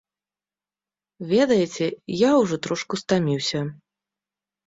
Ведаеце, я ўжо трошку стаміўся.